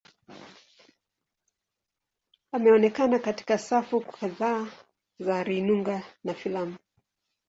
Ameonekana katika safu kadhaa za runinga na filamu.